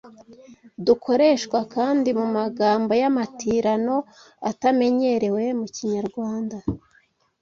Dukoreshwa kandi mu magambo y’amatirano atamenyerewe mu Kinyarwanda